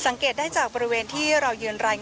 พาคุณผู้ชมไปติดตามบรรยากาศกันที่วัดอรุณราชวรรมหาวิหารค่ะ